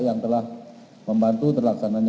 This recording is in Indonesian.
yang telah membantu terlaksananya